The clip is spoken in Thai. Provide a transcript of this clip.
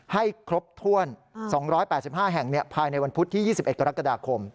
ให้ครบถ้วน๒๘๕แห่งภายในวันพุธที่๒๑กรกฎาคม